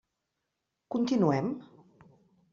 Continuem?